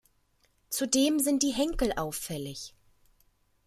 Zudem sind die Henkel auffällig.